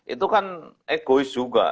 itu kan egois juga